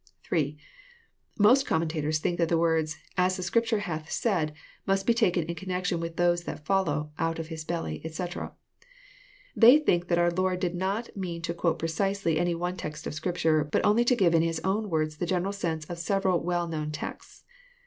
(3) Most commentators think that the words, " As the Scrip ture hath said," must be taken in connection with those that follow, *♦ out of his belly," etc. They think that our Lord did not mean to quote precise! vjiQyj>ne text of Scripture, but only to give in HLs own words the general sense of several well known texts.